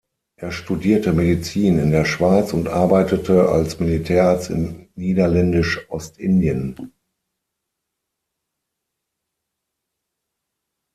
Er studierte Medizin in der Schweiz und arbeitete als Militärarzt in Niederländisch-Ostindien.